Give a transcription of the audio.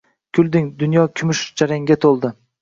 Kulding, dunyo kumush jarangga to‘ldi.